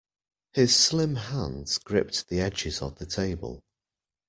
His slim hands gripped the edges of the table.